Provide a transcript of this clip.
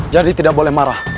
jadi tidak boleh marah